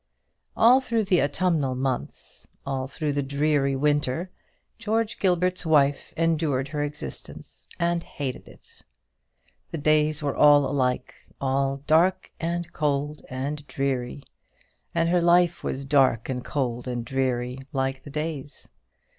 All through the autumnal months, all through the dreary winter, George Gilbert's wife endured her existence, and hated it. The days were all alike, all "dark and cold and dreary;" and her life was "dark and cold and dreary" like the days.